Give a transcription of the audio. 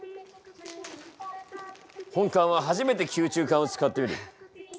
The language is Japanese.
本官は初めて吸虫管を使ってみる。